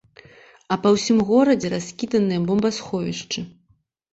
А па ўсім горадзе раскіданыя бомбасховішчы.